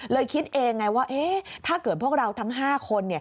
คิดเองไงว่าถ้าเกิดพวกเราทั้ง๕คน